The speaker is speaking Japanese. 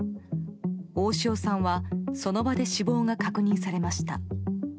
大塩さんはその場で死亡が確認されました。